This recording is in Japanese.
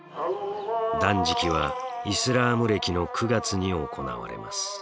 断食はイスラーム暦の９月に行われます。